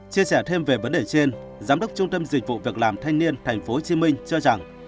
chia sẻ thêm về vấn đề trên giám đốc trung tâm dịch vụ việc làm thanh niên tp hcm cho rằng